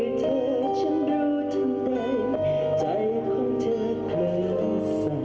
แค่จับมือเธอฉันรู้ทั้งแต่ใจของเธอเคลื่อนใส